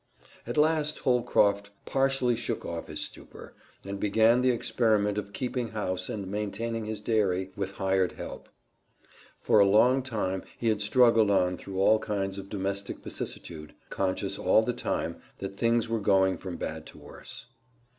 At last Holcroft partially shook off his stupor, and began the experiment of keeping house and maintaining his dairy with hired help. For a long year he had struggled on through all kinds of domestic vicissitude, conscious all the time that things were going from bad to worse.